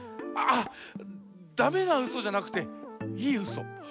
あっダメなウソじゃなくていいウソ。